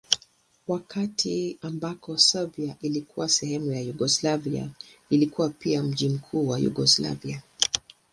Wakati ambako Serbia ilikuwa sehemu ya Yugoslavia ilikuwa pia mji mkuu wa Yugoslavia.